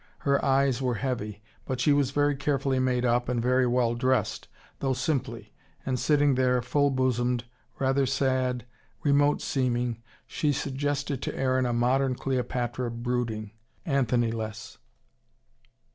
Her eyes were heavy. But she was very carefully made up, and very well dressed, though simply: and sitting there, full bosomed, rather sad, remote seeming, she suggested to Aaron a modern Cleopatra brooding, Anthony less.